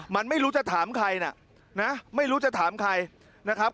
มันไม่รู้จะถามใครนะนะไม่รู้จะถามใครนะครับ